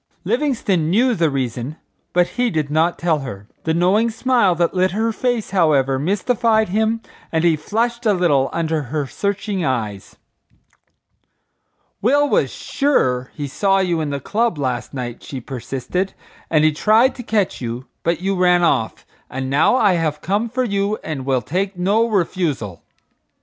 Livingstone knew the reason, but he did not tell her. The knowing smile that lit her face, however, mystified him and he flushed a little under her searching eyes. "Will was sure he saw you in the club last night," she persisted, "and he tried to catch you, but you ran off; and now I have come for you and will take no refusal."